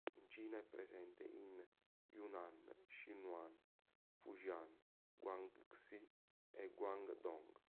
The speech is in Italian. In Cina, è presente in Yunnan, Sichuan, Fujian, Guangxi e Guangdong.